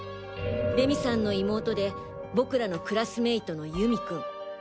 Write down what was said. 礼美さんの妹で僕らのクラスメイトの祐美君。